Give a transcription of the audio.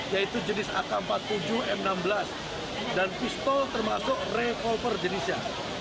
yaitu jenis ak empat puluh tujuh m enam belas dan pistol termasuk revolver jenisnya